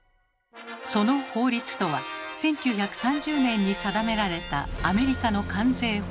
その法律とは１９３０年に定められたアメリカの関税法。